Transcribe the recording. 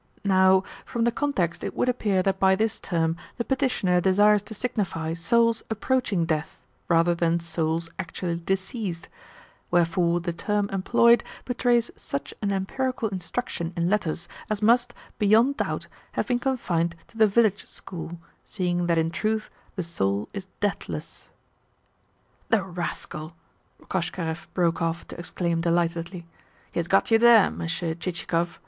Now, from the context it would appear that by this term the Petitioner desires to signify Souls Approaching Death rather than Souls Actually Deceased: wherefore the term employed betrays such an empirical instruction in letters as must, beyond doubt, have been confined to the Village School, seeing that in truth the Soul is Deathless.' "The rascal!" Koshkarev broke off to exclaim delightedly. "He has got you there, Monsieur Chichikov.